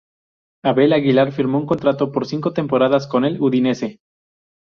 Abel Aguilar firmó un contrato por cinco temporadas con el Udinese.